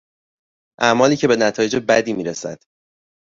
اعمالی که به نتایج بدی میرسد